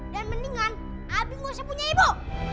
dan mendingan abi gak usah punya ibu